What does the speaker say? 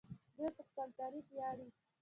دوی په خپل تاریخ ویاړي.